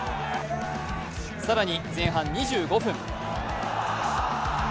更に前半２５分。